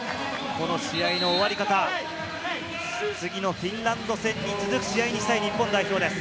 この試合の終わり方、次のフィンランド戦に続く試合にしたい日本代表です。